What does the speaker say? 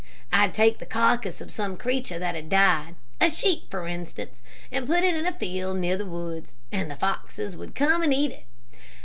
I'd take the carcass of some creature that had died, a sheep, for instance, and put it in a field near the woods, and the foxes would come and eat it.